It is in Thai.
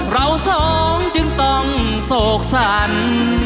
เราสองจึงต้องโศกสรร